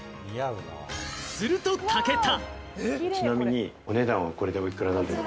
すると武田。